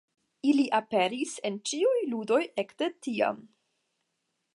Ili aperis en ĉiuj ludoj ekde tiam.